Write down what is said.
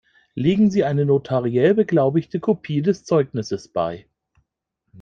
Legen Sie eine notariell beglaubigte Kopie des Zeugnisses bei.